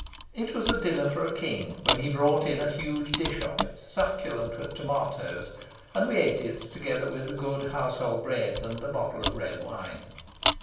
It was a dinner for a King when he brought in a huge dish of it, succulent with tomatoes, and we ate it together with the good household bread and a bottle of red wine.